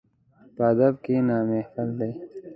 په ادب کښېنه، محفل دی.